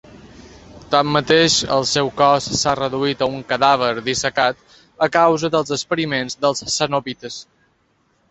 Tanmateix, el seu cos s'ha reduït a un cadàver dissecat a causa dels experiments dels Cenobites.